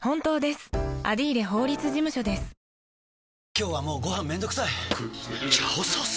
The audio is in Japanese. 今日はもうご飯めんどくさい「炒ソース」！？